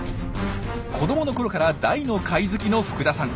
子どものころから大の貝好きの福田さん。